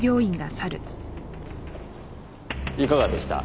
いかがでした？